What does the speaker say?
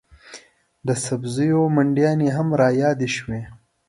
د سبزیو منډیانې هم رایادې شوې.